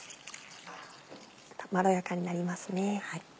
まろやかになりますね。